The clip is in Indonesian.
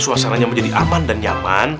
suasananya menjadi aman dan nyaman